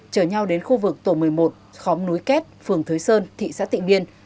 chở nhau đến khu vực tổ một mươi một khóm núi két phường thới sơn thị xã tịnh biên